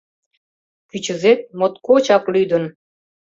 Кӱчызет моткочак лӱдын: